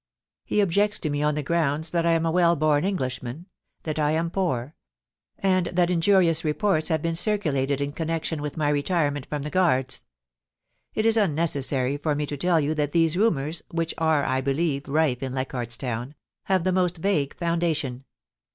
He objects to me on the grounds that I am a well born Englishman ; that I am poor; and that injurious reports have been circulated in connection with my retirement from the Guards. It is un necessary for me to tell you that these rumours, which are I believe rife in Leichardt's Town, have the most vague foundation.